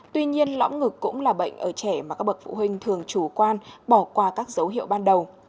tuy nhiên lõm ngực cũng là bệnh ở trẻ mà các bậc phụ huynh thường chủ quan bỏ qua các dấu hiệu ban đầu